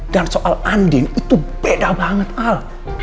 dan soal andin itu beda banget al